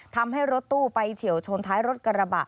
ทำให้รถตู้ไปเฉียวชนท้ายรถกระบะ